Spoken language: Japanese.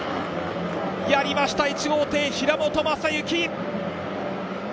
やりました、１号艇・平本真之。